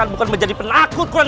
aku akan menjadi raja bagi rakyatku